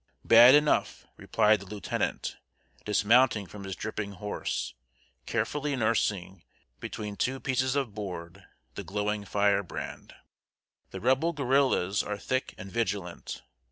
"Bad enough," replied the lieutenant, dismounting from his dripping horse, carefully nursing, between two pieces of board, the glowing firebrand. "The Rebel guerrillas are thick and vigilant.